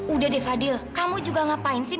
udah deh fadil kamu juga ngapain sih